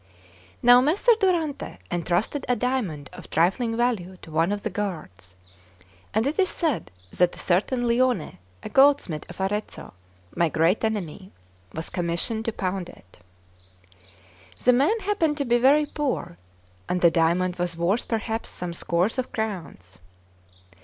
Now Messer Durante entrusted a diamond of trifling value to one of the guards; and it is said that a certain Lione, a goldsmith of Arezzo, my great enemy, was commissioned to pound it. The man happened to be very poor, and the diamond was worth perhaps some scores of crowns.